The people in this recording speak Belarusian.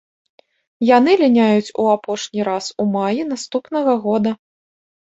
Яны ліняюць у апошні раз у маі наступнага года.